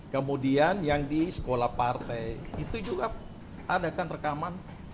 kemudian yang di sekolah partai itu juga adakan rekaman